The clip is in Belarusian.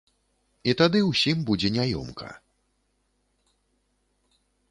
І тады ўсім будзе няёмка.